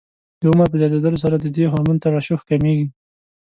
د عمر په زیاتېدلو سره د دې هورمون ترشح کمېږي.